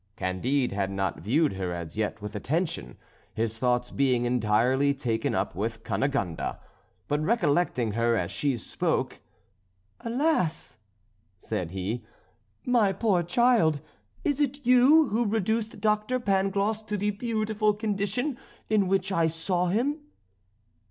Candide had not viewed her as yet with attention, his thoughts being entirely taken up with Cunegonde; but recollecting her as she spoke. "Alas!" said he, "my poor child, it is you who reduced Doctor Pangloss to the beautiful condition in which I saw him?"